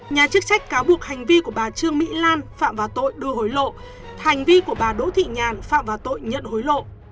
nhà chức trách cáo buộc hành vi của bà trương mỹ lan phạm vào tội đưa hối lộ hành vi của bà đỗ thị nhàn phạm vào tội nhận hối lộ